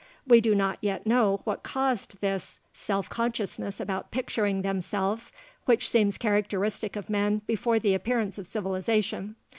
We do not yet know what caused this self consciousness about picturing themselves which seems characteristic of men before the appearance of civilization.